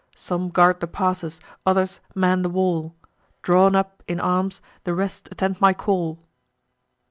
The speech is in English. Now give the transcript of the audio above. Some guard the passes, others man the wall; Drawn up in arms, the rest attend my call."